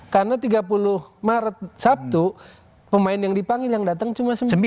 karena tiga puluh maret sabtu pemain yang dipanggil yang datang cuma sembilan